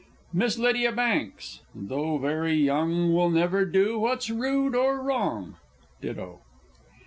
Miss Lydia Banks ("though very young, Will never do what's rude or wrong." _Ditto.